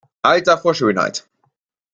Alter vor Schönheit!